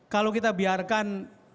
kalau kita biarkan